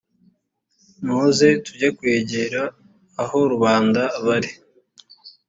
muze tuge kwegera aho rubanda bari